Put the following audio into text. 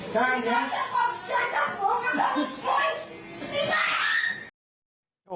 สินะพี่ฟ้า